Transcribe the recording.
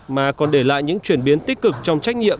mà còn để lại những chuyển biến tích cực trong trách nhiệm